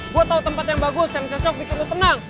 gue tau tempat yang bagus yang cocok bikin lo tenang